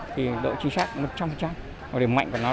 thì độ trí sát nó trong trang